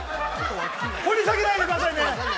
掘り下げないでくださいね！